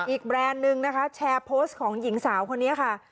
แบรนด์นึงนะคะแชร์โพสต์ของหญิงสาวคนนี้ค่ะ